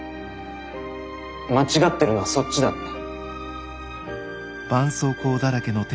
間違ってるのはそっちだって。